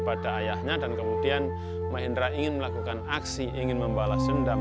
pada ayahnya dan kemudian mahendra ingin melakukan aksi ingin membalas dendam